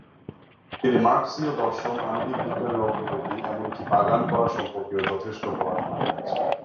তিনি মার্ক্সীয় দর্শন, আণবিক বিজ্ঞানের অগ্রগতি, এমনকি বাগান করা সম্পর্কেও যথেষ্ট পড়াশোনা করেছেন।